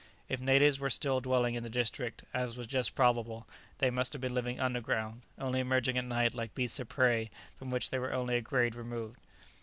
If natives were still dwelling in the district, as was just probable, they must have been living underground, only emerging at night like beasts of prey, from which they were only a grade removed.